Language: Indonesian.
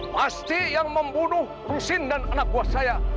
pasti yang membunuh rusin dan anak buah saya